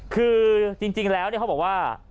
คือจริงแล้วเขาบอกว่า